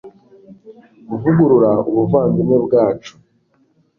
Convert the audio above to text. kuvugurura ubuvandimwe bwacu